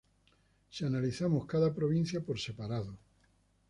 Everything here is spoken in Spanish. Si analizamos cada provincia por separado